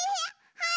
はい！